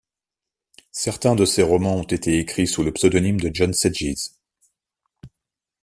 Certains de ses romans ont été écrits sous le pseudonyme de John Sedges.